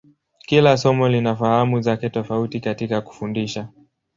Kila somo lina fahamu zake tofauti katika kufundisha.